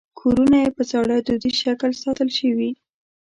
کورونه یې په زاړه دودیز شکل ساتل شوي.